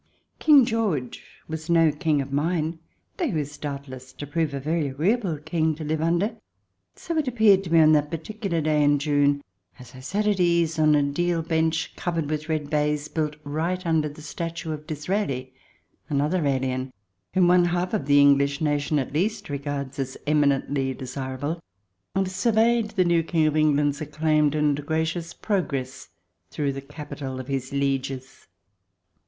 King George was no King of mine, though he was doubt less to prove a very agreeable King to live under. So it appeared to me on that particular day in June, as I sat at ease on a deal bench covered with red baize, built right over the statue of Disraeli, another alien, whom one half of the English nation at least regards as eminently desirable, and surveyed the new King of England's acclaimed and gracious progress through the capital of his lieges. 2 THE DESIRABLE ALIEN [ch.